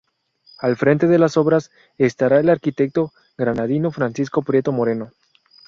Al frente de las obras estará el arquitecto granadino Francisco Prieto Moreno.